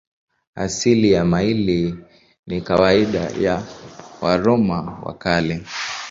Asili ya maili ni kawaida ya Waroma wa Kale.